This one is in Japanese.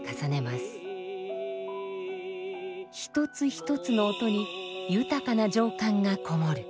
一つ一つの音に豊かな情感が籠もる。